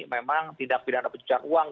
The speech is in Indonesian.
memang tindak pidana pencucian uang